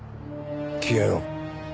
消えろ。